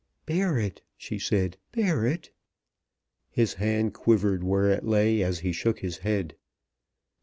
"Bear it," she said. "Bear it." His hand quivered where it lay as he shook his head.